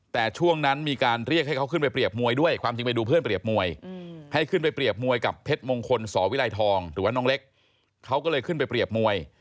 แต่ช่วงนั้นมีการเรียกให้เขาขึ้นไปเปรียบมวยด้วยความจริงไปดูเพื่อนเปรียบมวยให้ขึ้นไปเปรียบมวยกับเพชรมงคลสอวิรัยทองหรือว่าน้องเล็กเขาก็เลยขึ้นไปเปรียบมวย